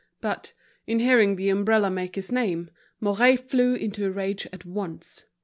But, on hearing the umbrella maker's name, Mouret flew into a rage at once.